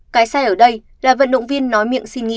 cái sai ở đây là vận động viên nói miệng xin nghỉ